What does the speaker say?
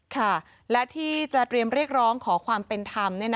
ค่ะและที่จะเตรียมเรียกร้องขอความเป็นธรรม